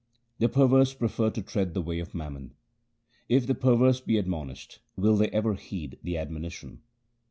The perverse prefer to tread the way of mammon :— If the perverse be admonished, will they ever heed the admonition